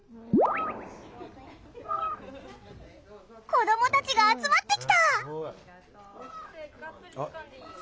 子どもたちが集まってきた！